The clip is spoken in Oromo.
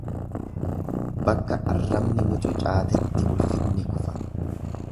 Bakka arrabni mucucaatetti ulfinni kufa.